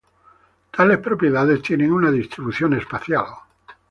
Tales propiedades tienen una distribución espacial.